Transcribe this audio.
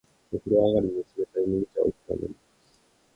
お風呂上がりに、冷たい麦茶を一杯飲みます。